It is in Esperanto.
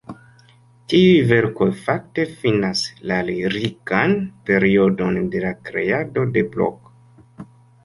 Tiuj verkoj fakte finas la lirikan periodon de la kreado de Blok.